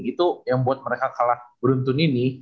itu yang buat mereka kalah beruntun ini